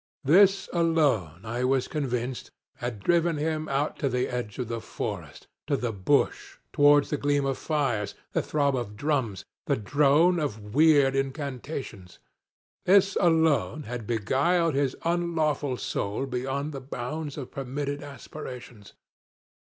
This alone, I was convinced, had driven him out to the edge of the forest, to the bush, towards the gleam of fires, the throb of drums, the drone of weird incantations; this alone had beguiled his unlawful soul beyond the bounds of permitted aspirations.